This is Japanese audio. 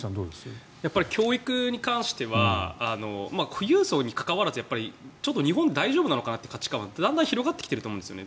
教育に関しては富裕層に関わらず日本、大丈夫なのかなという価値観はだんだん広がってきていると思うんですよね。